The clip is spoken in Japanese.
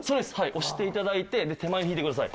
押して頂いて手前に引いてください。